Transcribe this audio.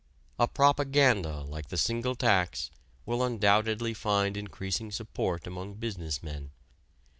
A propaganda like the single tax will undoubtedly find increasing support among business men.